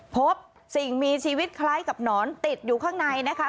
พบสิ่งมีชีวิตคล้ายกับหนอนติดอยู่ข้างในนะคะ